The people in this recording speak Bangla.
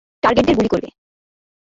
টার্গেটদের গুলি করবে।